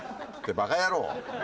バカ野郎！